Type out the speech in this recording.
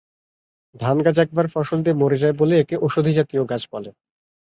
ধান গাছ একবার ফসল দিয়ে মরে যায় বলে একে ওষধি জাতীয় গাছ বলে।